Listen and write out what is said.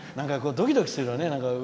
ドキドキするよね。